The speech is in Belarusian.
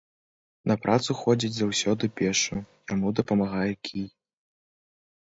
На працу ходзіць заўсёды пешшу, яму дапамагае кій.